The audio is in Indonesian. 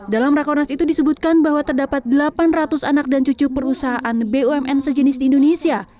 dalam rakonas itu disebutkan bahwa terdapat delapan ratus anak dan cucu perusahaan bumn sejenis di indonesia